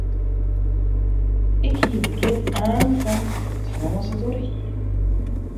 Ik hie der gjin aan fan wêr't it frommes it oer hie.